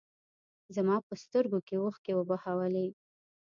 زما په سترګو کې اوښکې وبهولې.